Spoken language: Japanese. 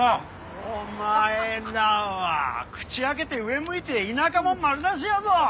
お前らは口開けて上向いて田舎もん丸出しやぞ。